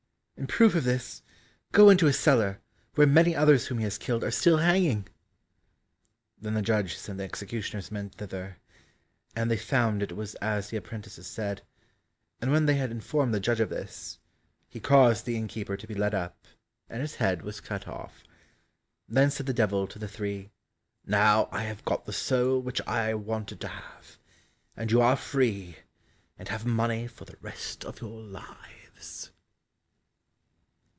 "In proof of this, go into his cellar, where many others whom he has killed are still hanging." Then the judge sent the executioner's men thither, and they found it was as the apprentices said, and when they had informed the judge of this, he caused the innkeeper to be led up, and his head was cut off. Then said the Devil to the three, "Now I have got the soul which I wanted to have, and you are free, and have money for the rest of your lives."